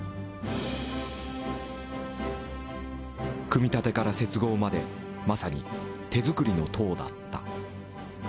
組み立てから接合までまさに手づくりの塔だった。